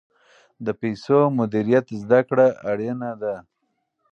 د پیسو مدیریت زده کړه اړینه ده.